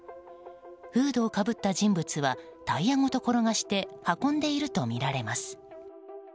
フードをかぶった人物はタイヤごと転がして運んでいるとみられます。